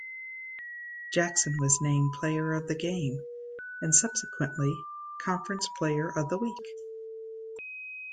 Jackson was named player of the game and subsequently conference player of the week.